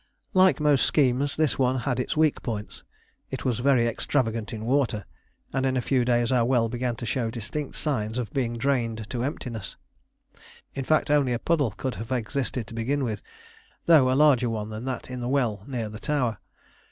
Like most schemes, this one had its weak points. It was very extravagant in water, and in a few days our well began to show distinct signs of being drained to emptiness; in fact, only a puddle could have existed to begin with, though a larger one than that in the well near the tower.